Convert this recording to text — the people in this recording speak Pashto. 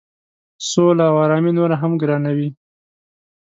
سوله او آرامي نوره هم ګرانوي.